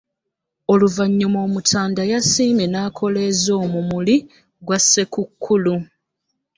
Oluvannyuma Omutanda yasiimye n’akoleeza omummuli gwa Ssekukkulu.